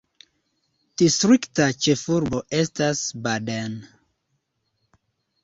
Distrikta ĉefurbo estas Baden.